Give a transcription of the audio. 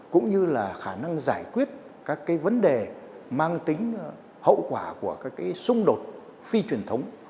cũng như là khả năng giải quyết các cái vấn đề mang tính hậu quả của các cái xung đột phi truyền thống